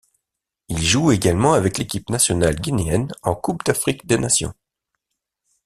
Il joue également avec l'équipe nationale guinéenne en Coupe d'Afrique des nations.